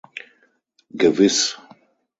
Gewiss.